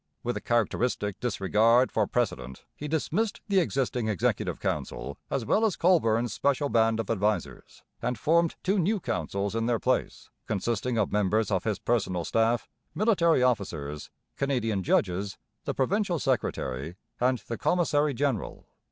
With a characteristic disregard for precedent, he dismissed the existing Executive Council as well as Colborne's special band of advisers, and formed two new councils in their place, consisting of members of his personal staff, military officers, Canadian judges, the provincial secretary, and the commissary general.